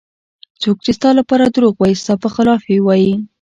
څوک چې ستا لپاره دروغ وایي ستا په خلاف یې وایي.